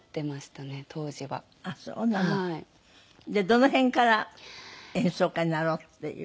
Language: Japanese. どの辺から演奏家になろうっていう。